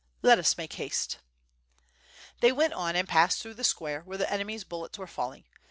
"Let us make haste." They went on and passed through the square, where the enemy's bullets were falling.